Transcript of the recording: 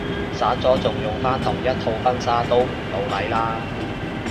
散咗仲用返同一套婚紗都唔老嚟啦